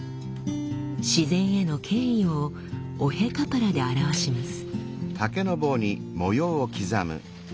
自然への敬意をオヘ・カパラで表します。